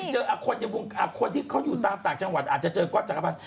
มีใครเจออาควรที่เขาอยู่ต่างจังหวัดอาจจะเจอก๊อตจักรพันธ์